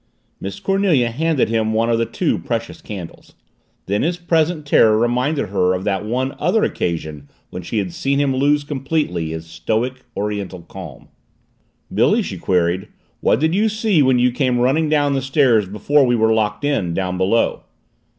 Miss Cornelia handed him one of the two precious candles. Then his present terror reminded her of that one other occasion when she had seen him lose completely his stoic Oriental calm. "Billy," she queried, "what did you see when you came running down the stairs before we were locked in, down below?"